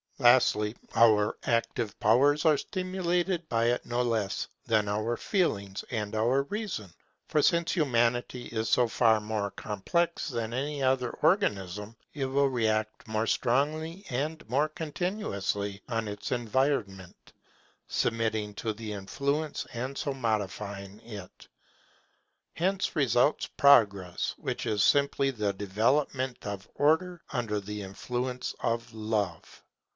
Lastly, our active powers are stimulated by it no less than our feelings and our reason. For since Humanity is so far more complex than any other organism, it will react more strongly and more continuously on its environment, submitting to its influence and so modifying it. Hence results Progress which is simply the development of Order, under the influence of Love.